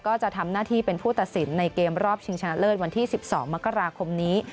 ก็จะทำหน้าที่เป็นผู้ตัดสินในเกมรอบชิงชนะเลิศวันที่๑๒มกราคมนี้